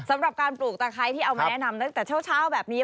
สำหรับการปลูกตะไคร้ที่เอามาแนะนำตั้งแต่เช้าแบบนี้